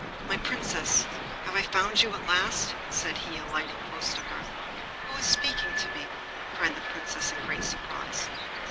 'My Princess! have I found you at last?' said he, alighting close to her. 'Who is speaking to me?' cried the Princess in great surprise.